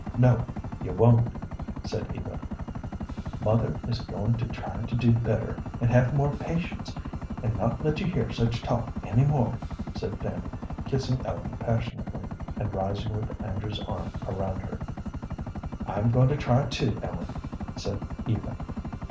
"No, you won't," said Eva. "Mother is goin' to try to do better, and have more patience, and not let you hear such talk any more," said Fanny, kissing Ellen passionately, and rising with Andrew's arm around her. "I'm going to try, too, Ellen," said Eva.